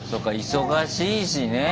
忙しいしねえ。